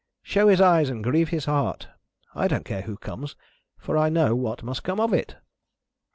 Show his eyes and grieve his heart! I don't care who comes, for I know what must come of it!"